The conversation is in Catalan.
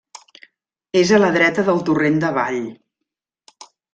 És a la dreta del Torrent de Vall.